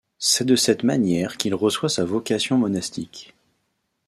C'est de cette manière qu'il reçoit sa vocation monastique.